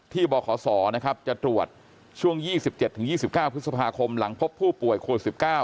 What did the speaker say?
ที่บขนะครับจะตรวจช่วง๒๗๒๙พฤษภาคมหลังพบผู้ป่วยควร๑๙